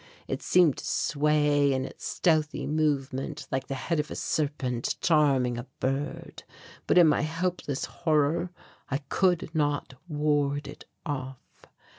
It seemed to sway in its stealthy movement like the head of a serpent charming a bird, but in my helpless horror I could not ward it off.